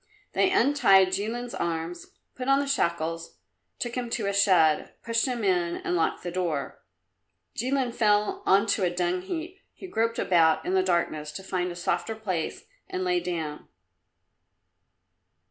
They untied Jilin's arms, put on the shackles, took him to a shed, pushed him in and locked the door. Jilin fell on to a dung heap. He groped about in the darkness to find a softer place and lay down.